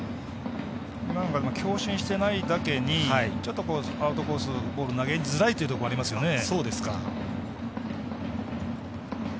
強振していないだけにアウトコース、ボール投げづらいというところありますよね。